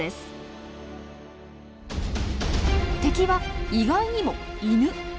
敵は意外にもイヌ。